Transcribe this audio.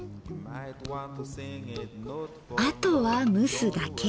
あとは蒸すだけ。